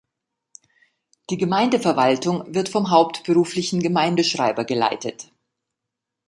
Die Gemeindeverwaltung wird vom hauptberuflichen Gemeindeschreiber geleitet.